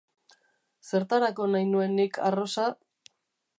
Zertarako nahi nuen nik arrosa?